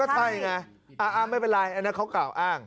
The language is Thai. ใช่ไงไม่เป็นไรอันนั้นเขากล่าวอ้าง